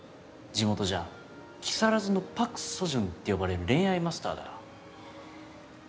地元じゃ「木更津のパク・ソジュン」って呼ばれる恋愛マスターだ。